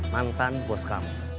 mantan bos kamu